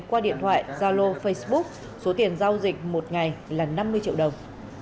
qua điện thoại giao lô facebook số tiền giao dịch một ngày là năm mươi triệu đồng